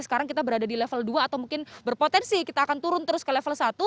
sekarang kita berada di level dua atau mungkin berpotensi kita akan turun terus ke level satu